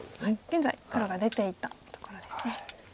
現在黒が出ていったところですね。